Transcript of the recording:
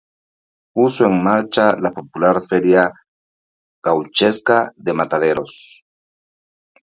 Puso en marcha la popular feria gauchesca de Mataderos.